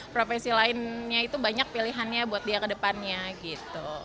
profesi lainnya itu banyak pilihannya buat dia ke depannya gitu